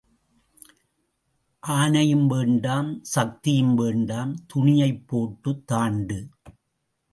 ஆணையும் வேண்டாம் சத்தியமும் வேண்டாம் துணியைப் போட்டுத் தாண்டு.